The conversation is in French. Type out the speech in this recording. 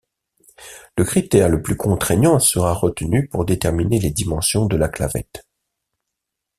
Le critère le plus contraignant sera retenu pour déterminer les dimensions de la clavette.